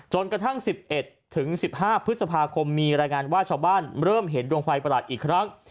กระทั่ง๑๑ถึง๑๕พฤษภาคมมีรายงานว่าชาวบ้านเริ่มเห็นดวงไฟประหลาดอีกครั้ง